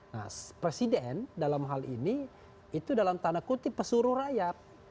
nah presiden dalam hal ini itu dalam tanda kutip pesuruh rakyat